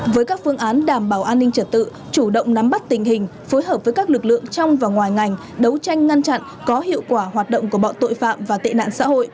với các phương án đảm bảo an ninh trật tự chủ động nắm bắt tình hình phối hợp với các lực lượng trong và ngoài ngành đấu tranh ngăn chặn có hiệu quả hoạt động của bọn tội phạm và tệ nạn xã hội